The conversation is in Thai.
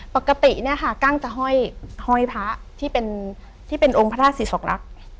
ปกติเนี่ยค่ะกั้งจะห้อยพระที่เป็นที่เป็นองค์พระธาตุศิษกรักษ์